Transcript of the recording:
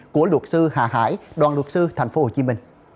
của luật sư hà hải đoàn luật sư tp hcm